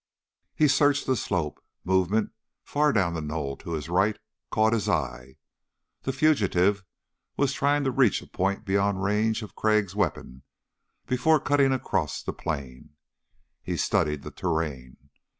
He searched the slope. Movement far down the knoll to his right caught his eye. The fugitive was trying to reach a point beyond range of Crag's weapon before cutting across the plain. He studied the terrain.